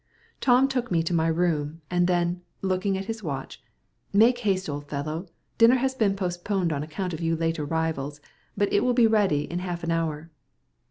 Tom took me to my room, and then, looking at his watch, said, "Make haste, old fellow. Dinner has been postponed on account of you late arrivals, but it will be ready in half an hour."